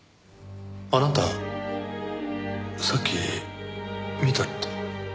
あなたさっき見たって。